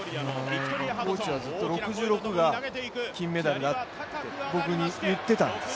コーチはずっと６６が金メダルだと、僕に言ってたんです。